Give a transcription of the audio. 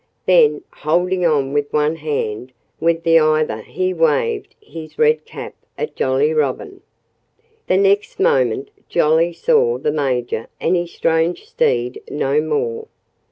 Then, holding on with one hand, with the either he waved his red cap at Jolly Robin. The next moment Jolly saw the Major and his strange steed no more.